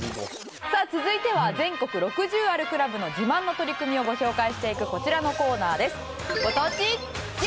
続いては全国６０あるクラブの自慢の取り組みをご紹介していくこちらのコーナーです。